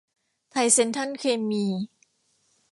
ไทยเซ็นทรัลเคมี